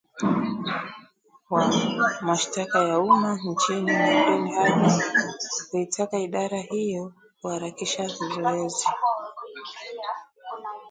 wa mashtaka ya uma nchini Nurdin Haji kuitaka idara hiyo kuharakisha zoezi